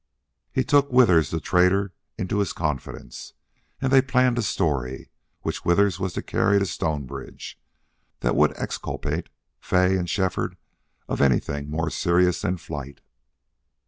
He took Withers, the trader, into his confidence, and they planned a story, which Withers was to carry to Stonebridge, that would exculpate Fay and Shefford of anything more serious than flight.